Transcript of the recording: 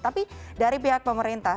tapi dari pihak pemerintah